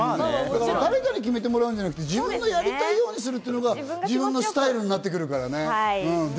誰かに決めてもらうんじゃなくて、自分がやりたいようにするというのが自分のスタイルになってくるからね。